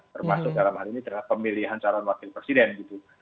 termasuk dalam hal ini pemilihan calon wakil presiden gitu